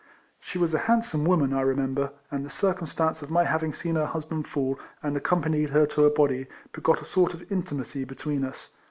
She was a handsome woman, I remember, and the circumstance of my having seen her husband fall, and accompanied her to find his body, begot a sort of intimacy between us.